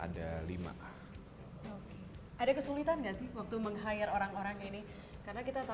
ada kesulitan gak sih waktu meng hire orang orang ini